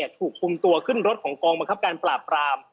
ถูกคุมตัวขึ้นรถของกองบังคับการปราบปราม